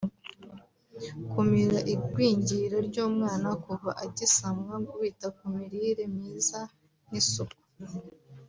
kumira igwingira ry’umwana kuva agisamwa wita ku mirire myiza n’isuku